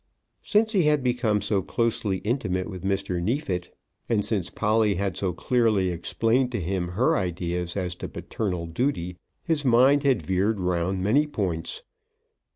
Since he had become so closely intimate with Mr. Neefit, and since Polly had so clearly explained to him her ideas as to paternal duty, his mind had veered round many points.